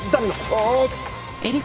あっ。